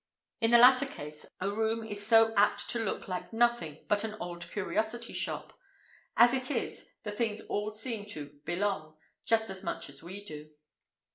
In the latter case, a room is so apt to look like nothing but an old curiosity shop; as it is, the things all seem to "belong," just as much as we do.